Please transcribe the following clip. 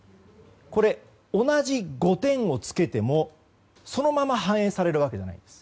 これ、同じ５点をつけてもそのまま反映されるわけじゃないんです。